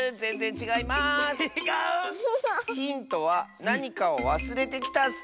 ちがう⁉ヒントはなにかをわすれてきたッス。